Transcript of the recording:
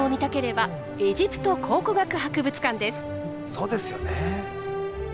そうですよね。